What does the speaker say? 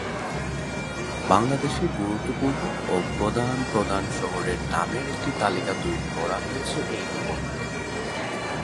বাংলাদেশের গুরুত্বপূর্ণ ও প্রধান প্রধান শহরের নামের একটি তালিকা তৈরী করা হয়েছে এই নিবন্ধে।